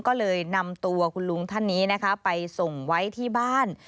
ก็เลยนำตัวคุณลุงท่านนี้นะคะไปส่งไว้ที่บ้าน